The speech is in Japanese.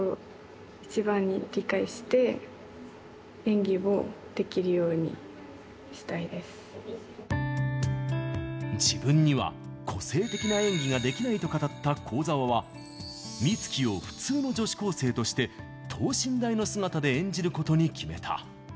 第３話を演じるのは自分には個性的な演技ができないと語った幸澤は美月を普通の女子高生として、等身大の姿で演じることに決めた。